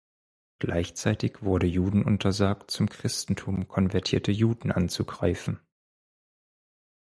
Gleichzeitig wurde Juden untersagt, zum Christentum konvertierte Juden anzugreifen.